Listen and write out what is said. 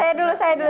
saya dulu saya dulu